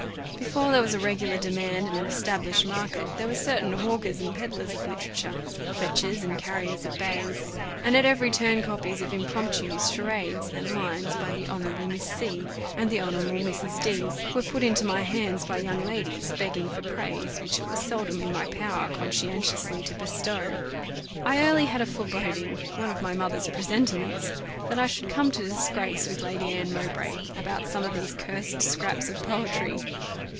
Before there was a regular demand and an established market, there were certain hawkers and pedlars of literature, fetchers and carriers of bays, and at every turn copies of impromptus, charades, and lines by the honourable Miss C , and the honourable Mrs. D , were put into my hands by young ladies, begging for praise, which it was seldom in my power conscientiously to bestow. I early had a foreboding one of my mother's presentiments that I should come to disgrace with Lady Anne Mowbray about some of these cursed scraps of poetry.